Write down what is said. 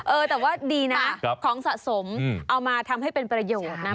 เออแต่ว่าดีนะของสะสมเอามาทำให้เป็นประโยชน์นะ